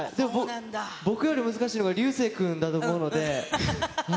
僕よりも難しいのが流星君だと思うので。